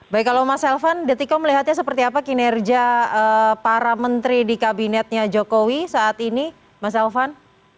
baik kalau mas elvan detiko melihatnya seperti apa kinerja para menteri di kabinetnya jokowi saat ini mas elvan